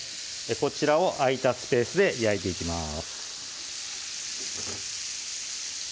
こちらを空いたスペースで焼いていきます